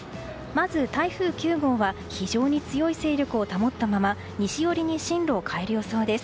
まず台風９号は非常に強い勢力を保ったまま西寄りに進路を変える予想です。